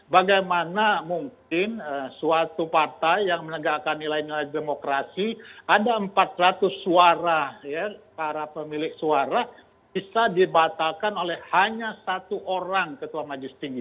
bagaimana mungkin suatu partai yang menegakkan nilai nilai demokrasi ada empat ratus suara para pemilik suara bisa dibatalkan oleh hanya satu orang ketua majelis tinggi